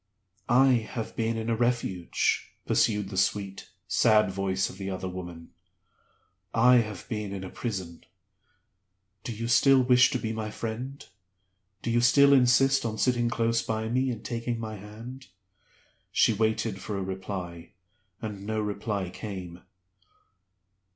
"I have been in a Refuge," pursued the sweet, sad voice of the other woman. "I have been in a Prison. Do you still wish to be my friend? Do you still insist on sitting close by me and taking my hand?" She waited for a reply, and no reply came.